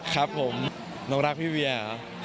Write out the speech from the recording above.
ครับผมน้องรักพี่เวียเหรอ